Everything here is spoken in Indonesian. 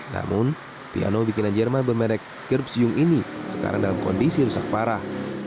namun piano bikinan jerman bermerek girbsiung ini sekarang dalam kondisi rusak parah